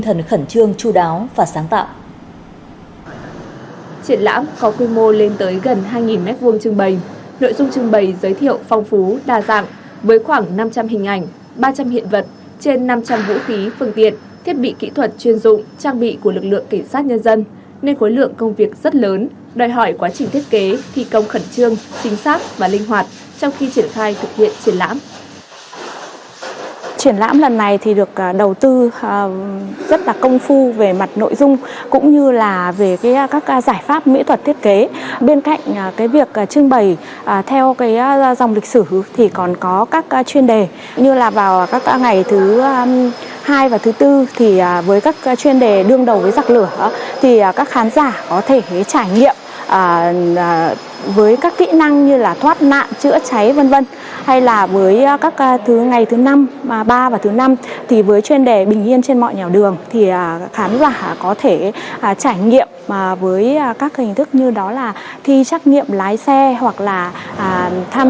triển lãm có quy mô lên tới gần hai m hai trưng bày nội dung trưng bày giới thiệu phong phú đa dạng với khoảng năm trăm linh hình ảnh ba trăm linh hiện vật trên năm trăm linh vũ khí phương tiện thiết bị kỹ thuật chuyên dụng trang bị của lực lượng cảnh sát nhân dân nên khối lượng công việc rất lớn đòi hỏi quá trình thiết kế thi công khẩn trương chính xác và linh hoạt trong khi triển khai thực hiện triển lãm